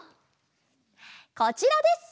こちらです！